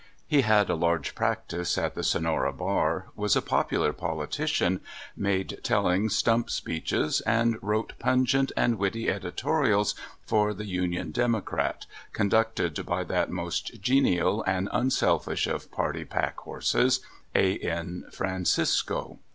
He had a large prac tice at the Sonora bar, was a popular politician, made telling stump speeches, and wrote pungent and witty editorials for the Union Democrat, con ducted by that most genial and unselfish of party pack horses, A. N. Francisco.